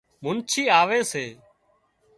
منڇي آوي سي